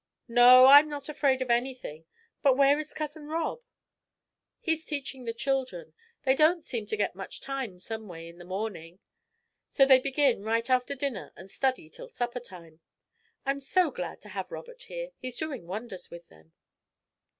"No. I'm not afraid of anything; but where is Cousin Rob?" "He's teaching the children. They don't seem to get much time, someway, in the morning, so they begin right after dinner and study till supper time. I'm so glad to have Robert here he's doing wonders with them."